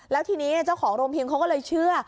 แล้วทีนี้เจ้าของโรงพิมพ์เขาก็เลยเชื่อ